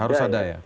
harus ada ya